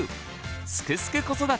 「すくすく子育て」